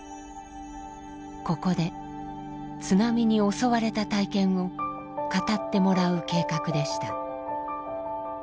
ここで津波に襲われた体験を語ってもらう計画でした。